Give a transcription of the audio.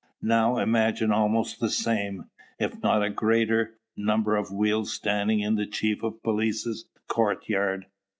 Now, imagine almost the same, if not a greater, number of wheels standing in the chief of police's courtyard.